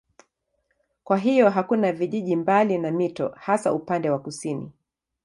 Kwa hiyo hakuna vijiji mbali na mito hasa upande wa kusini.